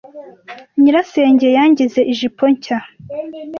Nyirasenge yangize ijipo nshya.